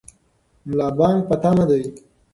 ملا بانګ په تمه دی.